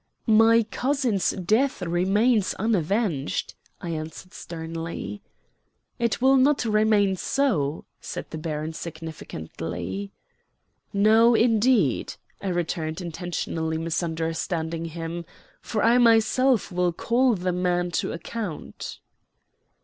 "My cousin's death remains unavenged," I answered sternly. "It will not remain so," said the baron significantly. "No, indeed," I returned, intentionally misunderstanding him, "for I myself will call the man to account."